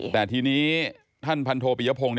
แต่ทีนี้ท่านพันโทปิยพงศ์